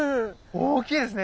大きいですね！